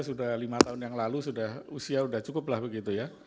sudah lima tahun yang lalu sudah usia sudah cukup lah begitu ya